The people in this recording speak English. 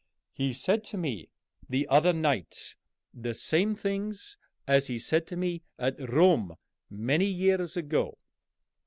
He said to me the other night the same things as he said to me at Rome many years ago.